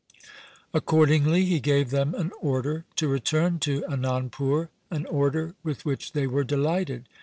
Accordingly he gave them an order to return to Anandpur, an order with which they were delighted.